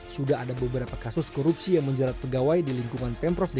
sudah ada beberapa kasus korupsi yang menjerat pegawai di lingkungan pemprov dki